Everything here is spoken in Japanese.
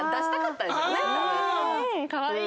かわいい。